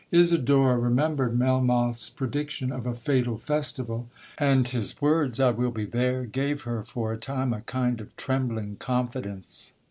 Isidora remembered Melmoth's prediction of a fatal festival; and his words, 'I will be there,' gave her for a time a kind of trembling confidence.